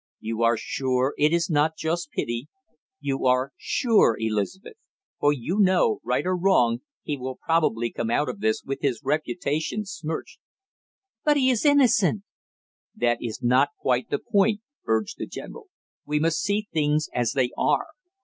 "You are sure it is not just pity you are sure, Elizabeth? For you know, right or wrong, he will probably come out of this with his reputation smirched." "But he is innocent!" "That is not quite the point!" urged the general. "We must see things as they are.